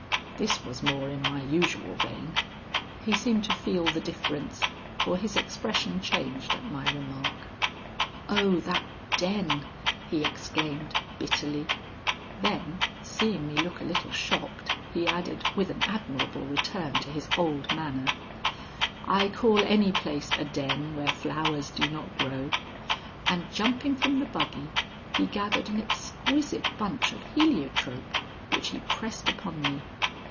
This was more in my usual vein. He seemed to feel the difference, for his expression changed at my remark. "Oh, that den!" he exclaimed, bitterly; then, seeing me look a little shocked, he added, with an admirable return to his old manner, "I call any place a den where flowers do not grow." And jumping from the buggy, he gathered an exquisite bunch of heliotrope, which he pressed upon me.